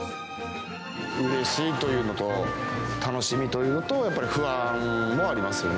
うれしいというのと、楽しみというのと、やっぱり不安もありますよね。